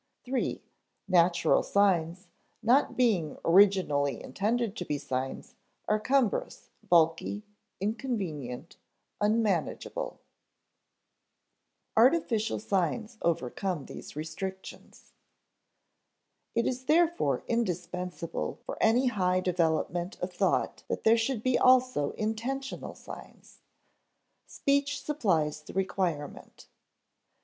(iii) Natural signs, not being originally intended to be signs, are cumbrous, bulky, inconvenient, unmanageable. Compare the quotation from Bain on p. 155. [Sidenote: Artificial signs overcome these restrictions.] It is therefore indispensable for any high development of thought that there should be also intentional signs. Speech supplies the requirement.